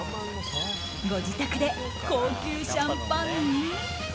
ご自宅で高級シャンパンに。